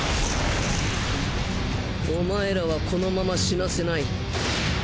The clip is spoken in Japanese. お前らはこのまま死なせない。な。